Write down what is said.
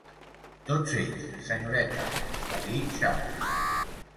"Tots ells, senyoreta", va dir Charley.